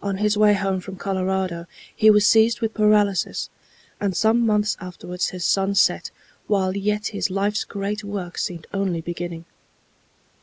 On his way home from Colorado he was seized with paralysis, and some months afterwards his sun set while yet his life's great work seemed only beginning.